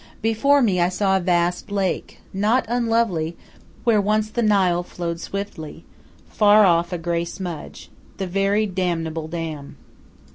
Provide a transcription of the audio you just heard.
Before me I saw a vast lake, not unlovely, where once the Nile flowed swiftly, far off a grey smudge the very damnable dam.